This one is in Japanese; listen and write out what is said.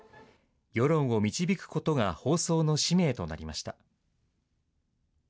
世論を導くことが放送の使命となりました。